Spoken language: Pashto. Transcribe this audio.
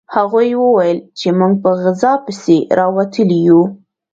هغوی وویل چې موږ په غذا پسې راوتلي یو